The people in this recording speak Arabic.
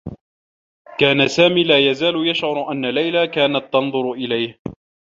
كان سامي لا يزال يشعر أنّ ليلى كانت تنظر إليه.